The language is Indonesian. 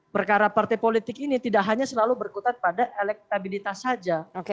perkara partai politik ini tidak hanya selalu berkutat pada elektabilitas saja